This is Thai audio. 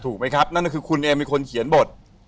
ถูกไหมครับนั่นก็คือคุณเองเป็นคนเขียนบท